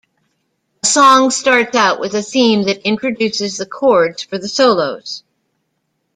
A song starts out with a theme that introduces the chords for the solos.